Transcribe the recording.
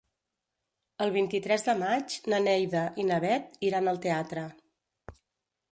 El vint-i-tres de maig na Neida i na Bet iran al teatre.